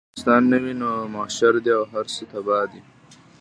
که افغانستان نه وي نو محشر دی او هر څه تباه دي.